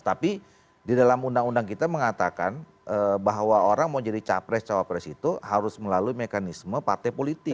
tapi di dalam undang undang kita mengatakan bahwa orang mau jadi capres cawapres itu harus melalui mekanisme partai politik